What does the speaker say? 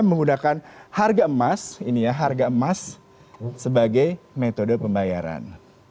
menggunakan harga emas ini ya harga emas sebagai metode pembayaran